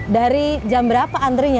dari jam berapa antrinya